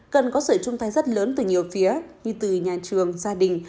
cần có sự trung tài rất lớn từ nhiều phía như từ nhà trường gia đình